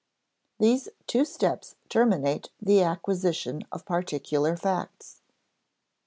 These two steps terminate the acquisition of particular facts.